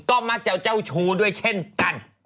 ก็มักจะเจ้าชู้ด้วยเช่นกัน